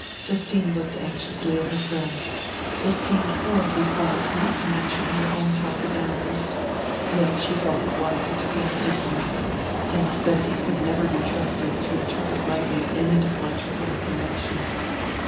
Justine looked anxiously at her friend. It seemed horribly false not to mention her own talk with Amherst, yet she felt it wiser to feign ignorance, since Bessy could never be trusted to interpret rightly any departure from the conventional.